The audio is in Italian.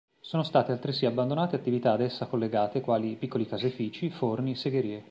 Sono state altresì abbandonate attività ad essa collegate quali piccoli caseifici, forni, segherie.